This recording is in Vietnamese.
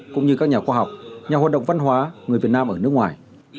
cũng như các nhà khoa học nhà hoạt động văn hóa người việt nam ở nước ngoài